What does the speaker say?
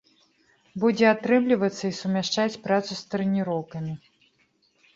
Будзе атрымлівацца і сумяшчаць працу з трэніроўкамі.